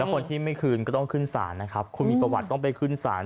คนที่ไม่คืนก็ต้องขึ้นศาลนะครับคุณมีประวัติต้องไปขึ้นศาล